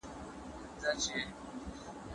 لارښود د مشر په څېر مشوره ورکوي.